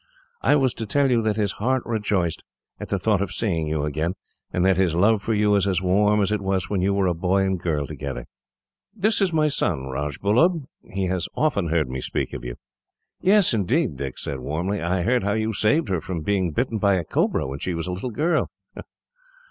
I was to tell you that his heart rejoiced, at the thought of seeing you again, and that his love for you is as warm as it was when you were a boy and girl together." "This is my son, Rajbullub. He has often heard me speak of you." "Yes, indeed," Dick said, warmly. "I heard how you saved her from being bitten by a cobra, when she was a little girl."